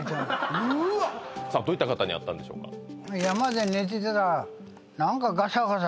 さあどういった方に会ったんでしょうか？